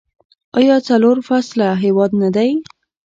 آیا څلور فصله هیواد نه دی؟